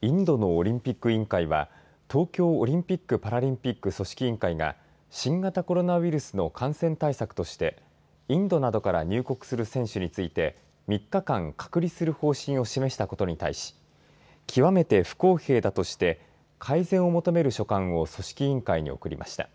インドのオリンピック委員会は東京オリンピックパラリンピック組織委員会が新型コロナウイルスの感染対策としてインドなどから入国する選手について３日間隔離する方針を示したことに対し極めて不公平だとして改善を求める書簡を組織委員会に送りました。